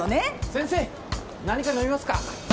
先生何か飲みますか？